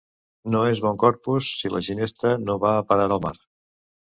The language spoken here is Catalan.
No és bon Corpus si la ginesta no va a parar a mar.